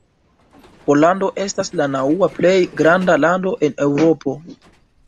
Pollando estas la naŭa plej granda lando en Eŭropo.